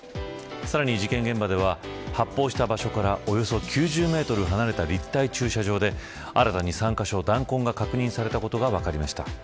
さらに事件現場では発砲した場所からおよそ９０メートル離れた立体駐車場で、新たに３カ所弾痕が確認されたことが分かりました。